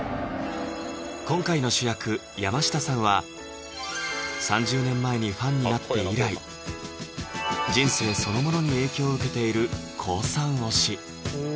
今回の主役・山下さんは３０年前にファンになって以来人生そのものに影響を受けているＫＯＯさん推し